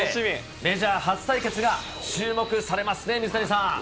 メジャー初対決が注目されますね、水谷さん。